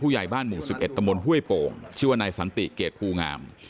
ใหญ่บ้านหมู่๑๑ตำบลห้วยโป่งชื่อว่านายสันติเกรดภูงาม